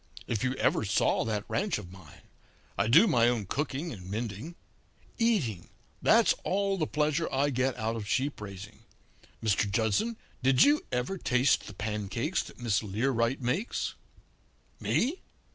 If you ever saw that ranch of mine! I do my own cooking and mending. Eating that's all the pleasure I get out of sheep raising. Mr. Judson, did you ever taste the pancakes that Miss Learight makes?' "'Me?